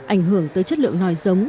ảnh hưởng tới chất lượng nòi giống